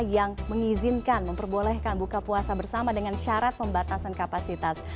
yang mengizinkan memperbolehkan buka puasa bersama dengan syarat pembatasan kapasitas